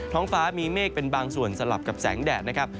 ท้องฟ้ามีเมฆเป็นบางส่วนสลับกับแสงแดดนะครับ